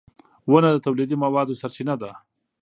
• ونه د تولیدي موادو سرچینه ده.